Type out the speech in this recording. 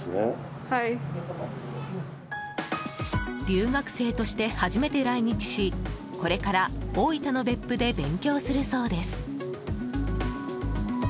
留学生として初めて来日しこれから大分の別府で勉強するそうです。